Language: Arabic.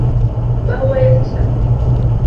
وَهُوَ يَخشى